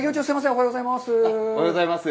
おはようございます。